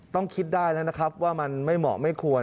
ต้องคิดได้แล้วนะครับว่ามันไม่เหมาะไม่ควร